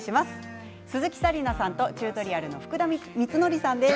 鈴木紗理奈さんとチュートリアルの福田充徳さんです。